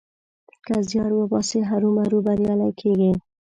که زيار وباسې؛ هرو مرو بريالی کېږې.